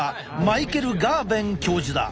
マイケル・ガーヴェン教授だ。